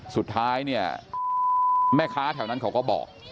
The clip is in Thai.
สุดท้ายเนี่ยแม่ค้าแถวนั้นเขาก็บอก